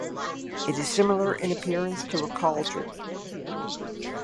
It is similar in appearance to a cauldron.